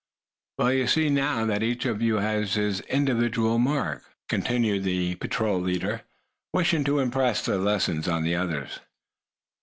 "Well, you see, now, that each one of us has an individual mark," continued the patrol leader, wishing to impress the lesson on the others.